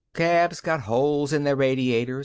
Cabs got holes in their radiators.